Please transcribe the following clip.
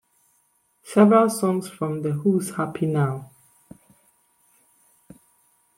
Several songs from the Who's Happy Now?